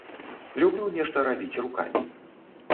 Люблю нешта рабіць рукамі.